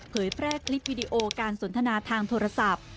แพร่คลิปวิดีโอการสนทนาทางโทรศัพท์